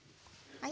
はい。